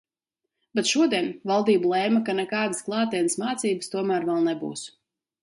Bet šodien valdība lēma, ka nekādas klātienes mācības tomēr vēl nebūs.